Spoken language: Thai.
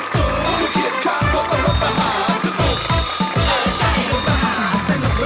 ปล่อยชะลาออกมาเต้นออเดอร์ออเนอร์